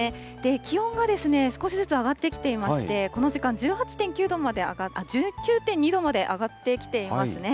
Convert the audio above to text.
気温が少しずつ上がってきていまして、この時間、１８．９度まで、あっ、１９．２度まで上がってきてますね。